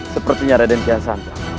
sepertinya raden kiasanto